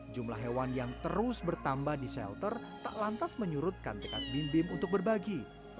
jumlah hewan yang terus bertambah di shelter tak lantas menyurutkan tekad bim bim untuk berbagi